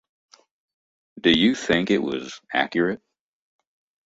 Do you think it was accurate?